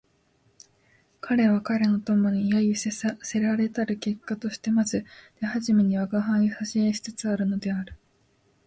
彼は彼の友に揶揄せられたる結果としてまず手初めに吾輩を写生しつつあるのである